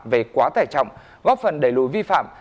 về quá tải trọng góp phần đẩy lùi vi phạm